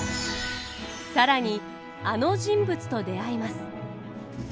更にあの人物と出会います。